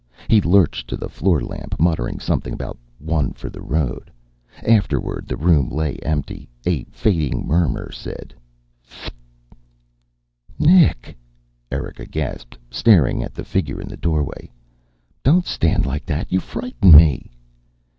He lurched to the floor lamp, muttering something about one for the road. Afterward, the room lay empty. A fading murmur said, "F(t)." "Nick!" Erika gasped, staring at the figure in the doorway. "Don't stand like that! You frighten me!"